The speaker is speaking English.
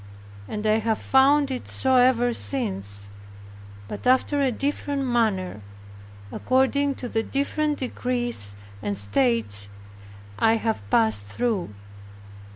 And I have found it so ever since, but after a different manner, according to the different degrees and states I have passed through.